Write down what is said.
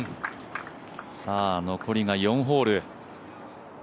残りが４ホール。